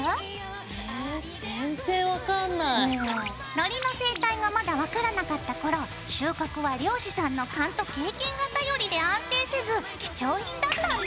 のりの生態がまだ分からなかった頃収穫は漁師さんの勘と経験が頼りで安定せず貴重品だったんだ！